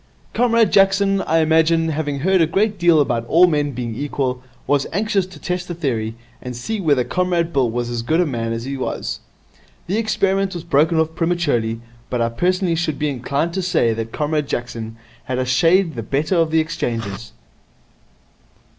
'Comrade Jackson, I imagine, having heard a great deal about all men being equal, was anxious to test the theory, and see whether Comrade Bill was as good a man as he was. The experiment was broken off prematurely, but I personally should be inclined to say that Comrade Jackson had a shade the better of the exchanges.'